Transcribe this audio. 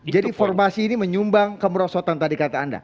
jadi formasi ini menyumbang kemerosotan tadi kata anda